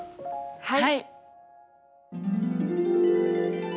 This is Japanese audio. はい。